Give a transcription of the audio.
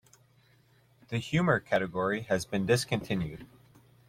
The Humor category has been discontinued.